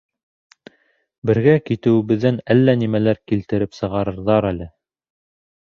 Бергә китеүебеҙҙән әллә нимәләр килтереп сығарырҙар әле!